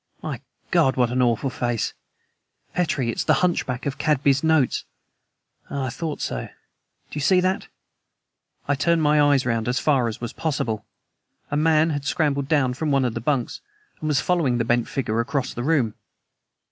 My God! what an awful face. Petrie, it's the hunchback of Cadby's notes. Ah, I thought so. Do you see that?" I turned my eyes round as far as was possible. A man had scrambled down from one of the bunks and was following the bent figure across the room.